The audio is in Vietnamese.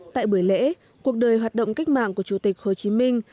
tại buổi lễ cuộc đời hoạt động cách mạng của chủ tịch hồ chí minh